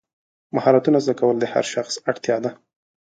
مهارتونه زده کول د هر شخص اړتیا ده.